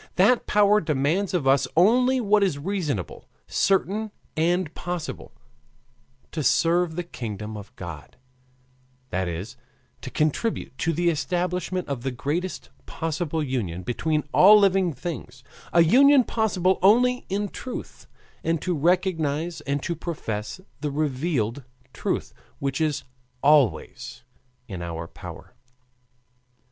That Power demands of us only what is reasonable, certain, and possible: to serve the kingdom of God, that is, to contribute to the establishment of the greatest possible union between all living beings a union possible only in the truth; and to recognize and to profess the revealed truth, which is always in our power.